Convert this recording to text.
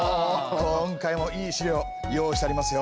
今回もいい資料用意してありますよ。